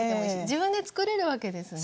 自分でつくれるわけですね。